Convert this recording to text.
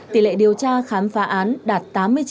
tỷ lệ điều tra khám phá án đạt tám mươi chín